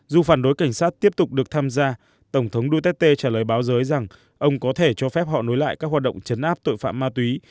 dù phản đối cảnh sát tiếp tục được tham gia tổng thống duterte trả lời báo giới rằng ông có thể cho phép họ nối lại các hoạt động chấn áp tội phạm ma túy